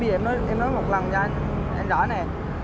em nói một lần cho anh em rõ nè